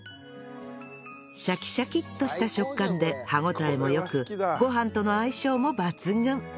シャキシャキッとした食感で歯応えも良くご飯との相性も抜群